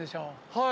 はい。